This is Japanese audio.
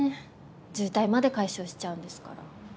渋滞まで解消しちゃうんですから。